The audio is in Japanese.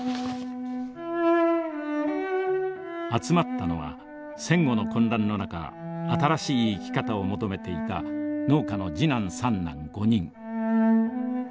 集まったのは戦後の混乱の中新しい生き方を求めていた農家の次男三男５人。